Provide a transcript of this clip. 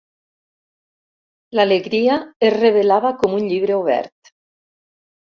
L'alegria es revelava com un llibre obert.